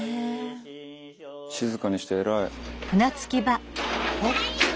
静かにして偉い。